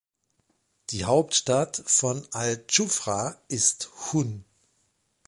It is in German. Die Hauptstadt von al-Dschufra ist Hun.